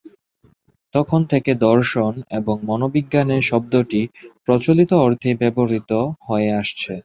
তখন থেকে দর্শন এবং মনোবিজ্ঞানে শব্দটি প্রচলিত অর্থেই ব্যবহৃত হয়ে আসছে।